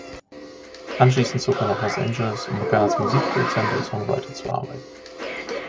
Anschließend zog er nach Los Angeles und begann als Musikproduzent und Songwriter zu arbeiten.